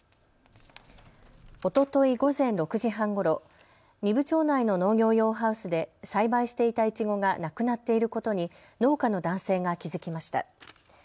おととい午前６時半ごろ、壬生町内の農業用ハウスで栽培していたいちごがなくなっていることに農家の男性が気付きました。